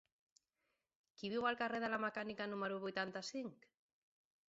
Qui viu al carrer de la Mecànica número vuitanta-cinc?